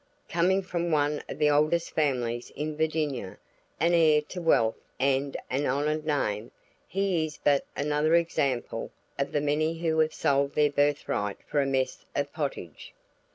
Coming from one of the oldest families of Virginia, an heir to wealth and an honored name, he is but another example of the many who have sold their birth right for a mess of pottage.